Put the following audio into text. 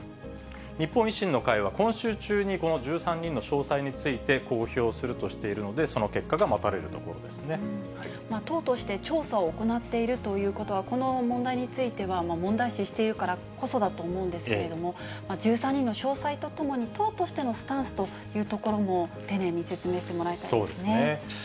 日本維新の会はこの１３人の詳細について公表するとしているので、党として調査を行っているということは、この問題については、問題視しているからこそだと思うんですけれども、１３人の詳細とともに、党としてのスタンスというところも、丁寧に説明してもらいたいでそうですね。